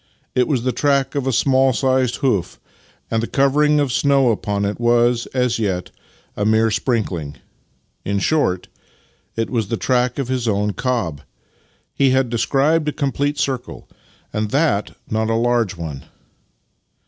It was the track of a small sized hoof, and the covering of snow upon it was, as yet, a mere sprinkling. In short, it was the track of his own cob! He had described a complete circle, and that not a large one.